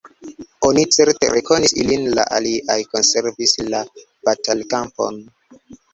Oni certe rekonis ilin: la aliaj konservis la batalkampon!